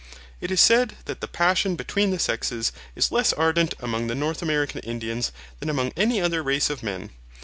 It is said that the passion between the sexes is less ardent among the North American Indians, than among any other race of men.